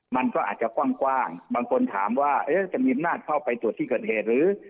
มันก็อาจจะกว้างบางคนถามว่าจะมีอำนาจเข้าไปตรวจที่เกิดเหตุหรือ